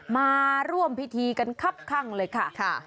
มาร่วมพิธีกันครับข้างเลยค่ะ